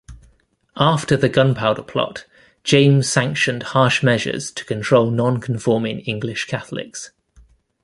After the Gunpowder Plot, James sanctioned harsh measures to control non-conforming English Catholics.